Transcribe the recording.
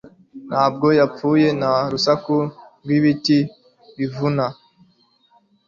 Ntabwo yapfuye nta rusaku rwibiti bivuna